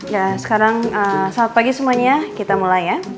ya sekarang saat pagi semuanya kita mulai ya